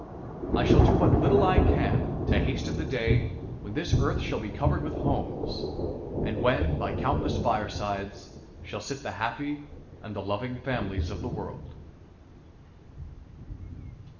I shall do what little I can to hasten the day when this earth shall be covered with homes, and when by countless firesides shall sit the happy and the loving families of the world.